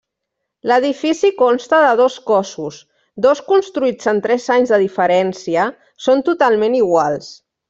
L'edifici consta de dos cossos, dos construïts en tres anys de diferència són totalment iguals.